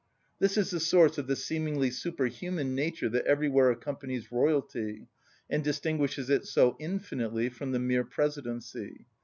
This is the source of the seemingly superhuman nature that everywhere accompanies royalty, and distinguishes it so infinitely from the mere presidency.